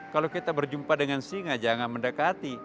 kalau kita berjumpa dengan singa jangan mendekati